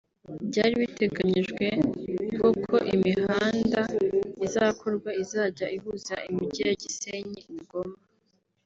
Byari biteganyijwe ko ko imihanda izakorwa izajya ihuza imijyi ya Gisenyi-Goma